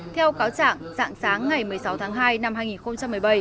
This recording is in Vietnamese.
theo cáo trạng dạng sáng ngày một mươi sáu tháng hai năm hai nghìn hai